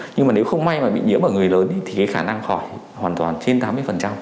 nhưng mà nếu không may mà bị nhiễm ở người lớn thì cái khả năng khỏi hoàn toàn trên tám mươi